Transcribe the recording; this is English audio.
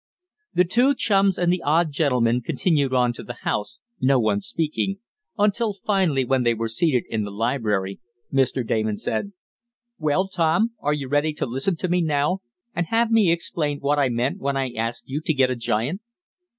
The two chums and the odd gentleman continued on to the house, no one speaking, until finally, when they were seated in the library, Mr. Damon said: "Well, Tom, are you ready to listen to me now, and have me explain what I meant when I asked you to get a giant?"